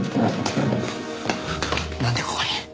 なんでここに？